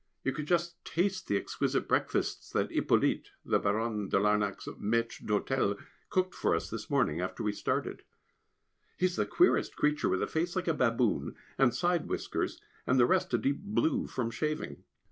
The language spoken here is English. You should just taste the exquisite breakfasts that Hippolyte (the Baronne de Larnac's maître d'hôtel) cooked for us this morning after we started. He is the queerest creature, with a face like a baboon, and side whiskers, and the rest a deep blue from shaving.